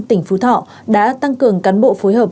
tỉnh phú thọ đã tăng cường cán bộ phối hợp